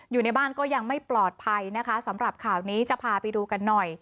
อยู่ในบ้านก็ยังไม่ปลอดภัยนะคะสำหรับข่าวนี้จะพาไปดูกันหน่อย